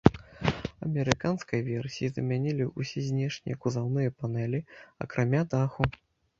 Амерыканскай версіі замянілі ўсе знешнія кузаўныя панэлі, акрамя даху.